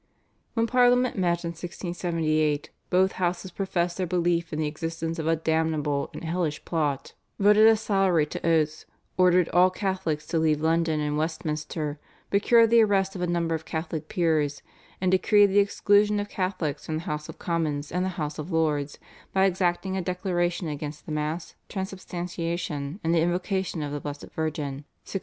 When Parliament met in 1678 both houses professed their belief in the existence of a "damnable and hellish plot," voted a salary to Oates, ordered all Catholics to leave London and Westminster, procured the arrest of a number of Catholic peers, and decreed the exclusion of Catholics from the House of Commons and the House of Lords by exacting a declaration against the Mass, Transubstantiation and the invocation of the Blessed Virgin (1678).